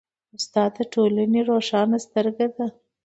استاد د ټولنې روښانه سترګه ده.